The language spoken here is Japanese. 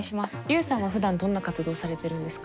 Ｕさんはふだんどんな活動されてるんですか？